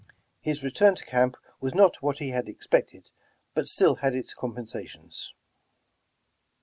His return to camp was not what he had expected, but still had its compensations.